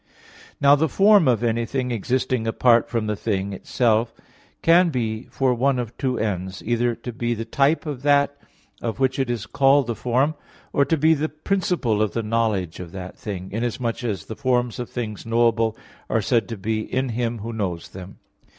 Now the form of anything existing apart from the thing itself can be for one of two ends: either to be the type of that of which it is called the form, or to be the principle of the knowledge of that thing, inasmuch as the forms of things knowable are said to be in him who knows them.